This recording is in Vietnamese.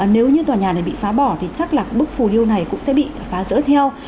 nếu như tòa nhà này bị phá bỏ thì chắc là bức phù điêu này cũng sẽ bị phá rỡ theo